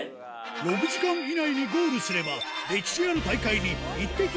６時間以内にゴールすれば歴史ある大会にイッテＱ！